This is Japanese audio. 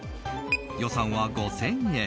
予算は５０００円。